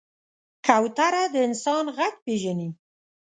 کوتره د انسان غږ پېژني.